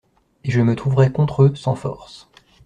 Et je me trouverais contre eux, sans force.